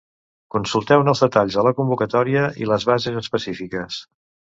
Consulteu-ne els detalls a la convocatòria i les bases específiques.